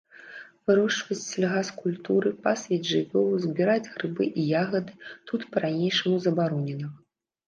Вырошчваць сельгаскультуры, пасвіць жывёлу, збіраць грыбы і ягады тут па-ранейшаму забаронена.